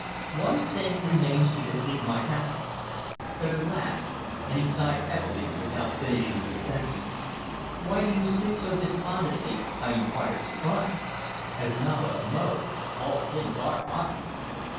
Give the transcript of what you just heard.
One thing remains to complete my happiness, but alas!" and he sighed heavily without finishing his sentence. "Why speak so despondently?" I inquired, surprised. "As Naba of Mo all things are possible."